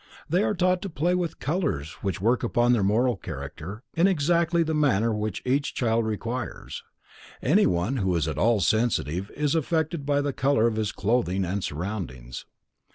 They are taught to play with colors which work upon their moral character in exactly the manner each child requires. Anyone who is at all sensitive is affected by the color of his clothing and surroundings.